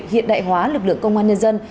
hiện đại hóa lực lượng công an nhân dân